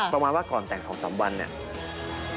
ประมาณว่าก่อนแต่ง๒๓วันเนี่ย